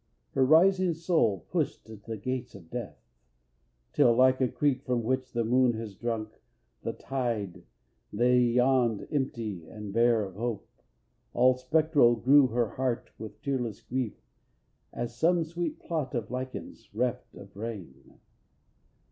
Her rising soul pushed at the gates of death, Till, like a creek from which the moon has drunk The tide, they yawned empty and bare of hope. All spectral grew her heart with tearless grief As some sweet plot of lichens reft of rain.